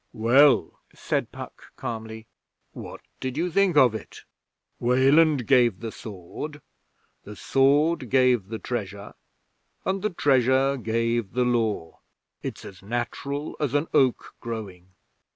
'Well,' said Puck calmly, 'what did you think of it? Weland gave the Sword! The Sword gave the Treasure, and the Treasure gave the Law. It's as natural as an oak growing.'